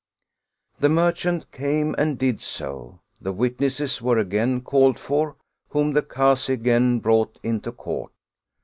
The merchant came and did so; the witnesses were again called for, whom the Kazi again brought into court.